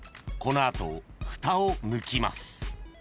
［この後ふたを抜きます］